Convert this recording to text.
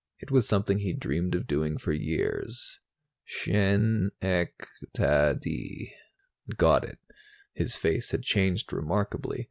It was something he'd dreamed of doing for years. "Schen ec ta dy," murmured Gramps. "Got it!" His face had changed remarkably.